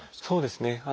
そうですね。